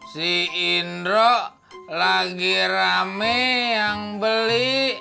si indro lagi rame yang beli